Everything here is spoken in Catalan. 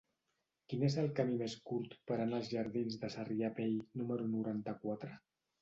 Quin és el camí més curt per anar als jardins de Sarrià Vell número noranta-quatre?